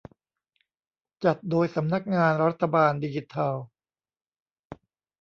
จัดโดยสำนักงานรัฐบาลดิจิทัล